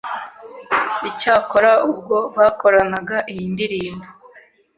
icyakora ubwo bakoranaga iyi ndirimbo